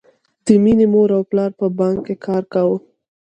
د مینې مور او پلار په بانک کې کار کاوه